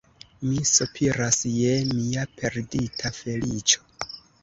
Mi sopiras je mia perdita feliĉo.